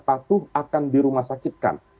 patuh akan dirumah sakitkan